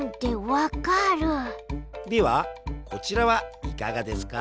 ではこちらはいかがですか？